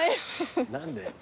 何で？